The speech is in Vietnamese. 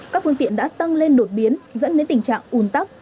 các phương tiện đã tăng lên đột biến dẫn đến tình trạng ùn tắc